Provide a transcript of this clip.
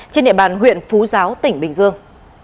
trên địa bàn huyện phú giáo tỉnh bình dương